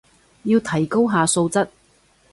要提高下質素